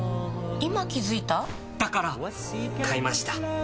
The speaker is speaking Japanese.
今気付いた？だから！買いました。